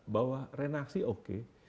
bahwa reaksi oke